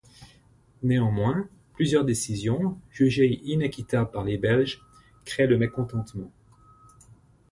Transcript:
Néanmoins, plusieurs décisions, jugées inéquitables par les Belges, créent le mécontentement.